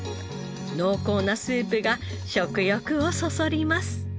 濃厚なスープが食欲をそそります。